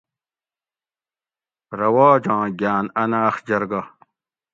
رواج آں گاۤن اۤ ناۤخ جرگہ